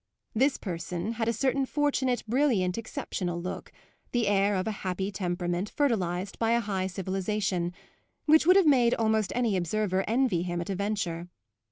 This person had a certain fortunate, brilliant exceptional look the air of a happy temperament fertilised by a high civilisation which would have made almost any observer envy him at a venture.